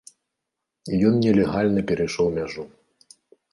Ён нелегальна перайшоў мяжу.